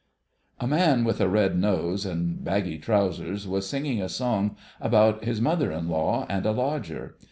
A man with a red nose and baggy trousers was singing a song about his mother in law and a lodger.